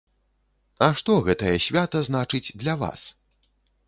А што гэтае свята значыць для вас?